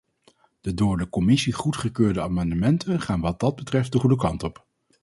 De door de commissie goedgekeurde amendementen gaan wat dat betreft de goede kant op.